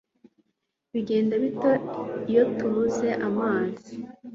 Bigenda bite iyo tubuze amazi?